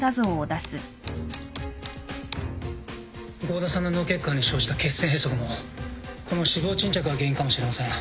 郷田さんの脳血管に生じた血栓閉塞もこの脂肪沈着が原因かもしれません。